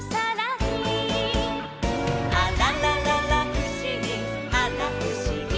「あららららふしぎあらふしぎ」